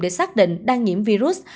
để xác định đang nhiễm virus